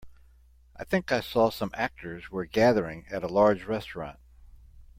I think I saw some actors were gathering at a large restaurant.